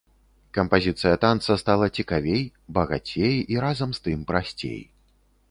Кампазіцыя танца стала цікавей, багацей і разам з тым прасцей.